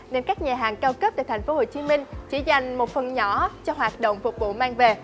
nên các nhà hàng cao cấp tại tp hcm chỉ dành một phần nhỏ cho hoạt động phục vụ mang về